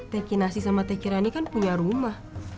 teh kinasi sama teh kirani kan punya rumah